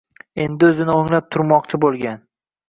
Endi o‘zini o‘nglab turmoqchi bo‘lgan